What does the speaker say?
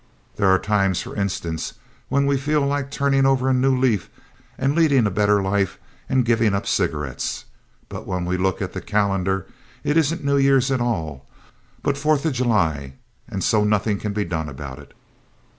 There are times, for instance, when we feel like turning over a new leaf and leading a better life and giving up cigarettes, but when we look at the calendar it isn't New Year's at all, but Fourth of July, and so nothing can be done about it.